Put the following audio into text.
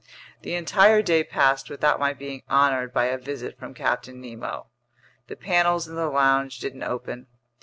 The entire day passed without my being honored by a visit from Captain Nemo. The panels in the lounge didn't open.